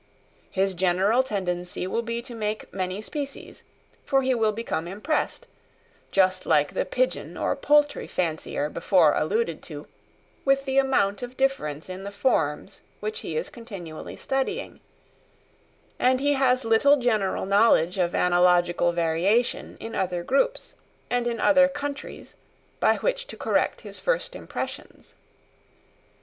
His general tendency will be to make many species, for he will become impressed, just like the pigeon or poultry fancier before alluded to, with the amount of difference in the forms which he is continually studying; and he has little general knowledge of analogical variation in other groups and in other countries by which to correct his first impressions.